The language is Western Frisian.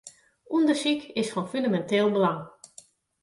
Undersyk is fan fûneminteel belang.